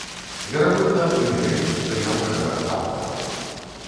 Верагодна, прымірэнню спрыяў шэраг фактараў.